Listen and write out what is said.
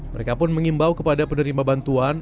mereka pun mengimbau kepada penerima bantuan